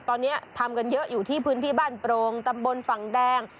ตอนนี้ทำกันเยอะอยู่ที่พื้นที่บ้านโปรงตำบลฝั่งแดง